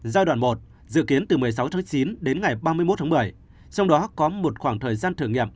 giai đoạn một dự kiến từ một mươi sáu tháng chín đến ngày ba mươi một tháng một mươi trong đó có một khoảng thời gian thử nghiệm